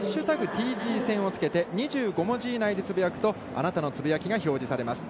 「＃ＴＧ戦」をつけて２５文字以内でつぶやくと、あなたのつぶやきが表示されます。